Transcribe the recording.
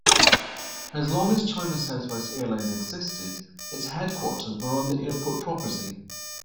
As long as China Southwest Airlines existed, its headquarters were on the airport property.